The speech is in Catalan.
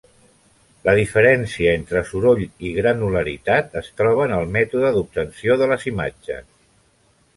La diferència entre soroll i granularitat es troba en el mètode d'obtenció de les imatges.